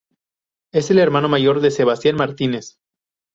Es el hermano mayor de Sebastián Martínez.